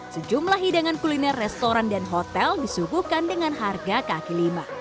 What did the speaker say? sejumlah hidangan kuliner restoran dan hotel disuguhkan dengan harga kaki lima